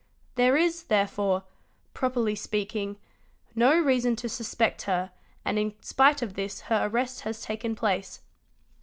There is, therefore, properly speak ing, no reason to suspect' her and in spite of this her arrest has taken place.